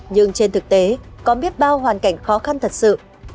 nhưng trên thực tế có biết bao hoàn cảnh khó khăn thật sự